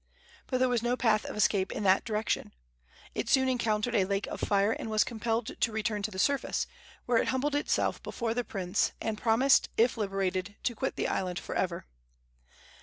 But there was no path of escape in that direction. It soon encountered a lake of fire, and was compelled to return to the surface, where it humbled itself before the prince, and promised, if liberated, to quit the island for ever.